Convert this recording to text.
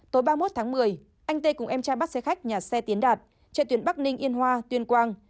tối ba mươi một tháng một mươi anh tê cùng em trai bắt xe khách nhà xe tiến đạt chạy tuyến bắc ninh yên hoa tuyên quang